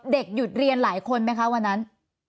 เด็กหยุดเรียนหลายคนไหมคะวันนั้น